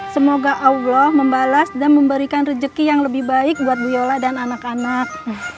semoga allah membalas dan memberikan rezeki yang lebih baik buat guyola dan anak anak